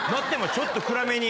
ちょっと暗めに。